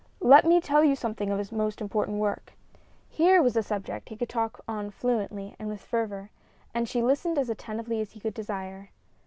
Let me tell you something of his most important work." Here was a subject he could talk on fluently and with fervor, and she listened as attentively as he could desire.